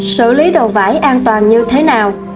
xử lý đồ vải an toàn như thế nào